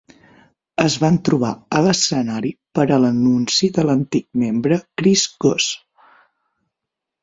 Es van trobar a l'escenari per a l'anunci de l'antic membre Chris Goss.